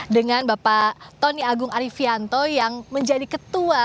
dengan bapak tony agung arifianto yang menjadi ketua